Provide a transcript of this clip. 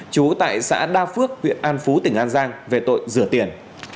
chú tại xã đa phước huyện an phú tỉnh an giang về tội rửa tiền